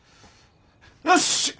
よし！